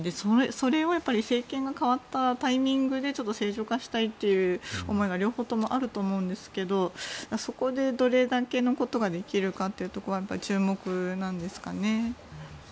それを政権が変わったタイミングで正常化したいという思いが両方ともあると思うんですけどそこで、どれだけのことができるかということが注目なんですかね。